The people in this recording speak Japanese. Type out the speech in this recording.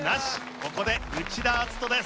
ここで内田篤人です。